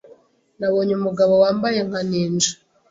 Nabonye umugabo wambaye nka ninja.